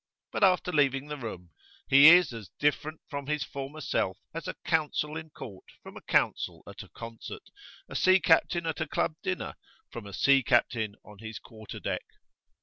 But after leaving the room, he is as different from his former self as a counsel in court from a counsel at a concert, a sea captain at a club dinner from a sea captain on his quarter deck.